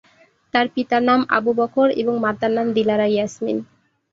তার পিতার নাম আবু বকর এবং মাতার নাম দিলারা ইয়াসমিন।